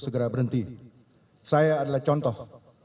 segera berhenti saya adalah contoh